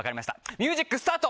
ミュージックスタート！